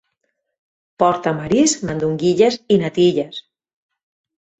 Porta marisc, mandonguilles i natilles